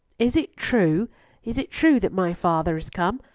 "Is it true? Is it true that my father is come?